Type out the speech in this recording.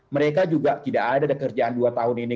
mereka juga tidak ada kerjaan dua tahun ini